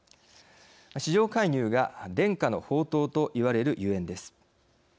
市場介入が伝家の宝刀といわれるゆえんです。